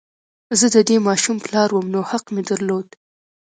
زه د دې ماشوم پلار وم نو حق مې درلود